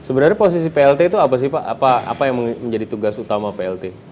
sebenarnya posisi plt itu apa sih pak apa yang menjadi tugas utama plt